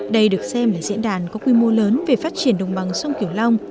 đây được xem là diễn đàn có quy mô lớn về phát triển đồng bằng sông kiểu long